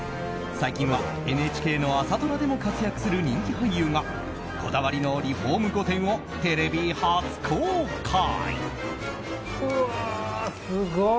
最近はＮＨＫの朝ドラでも活躍する人気俳優がこだわりのリフォーム御殿をテレビ初公開。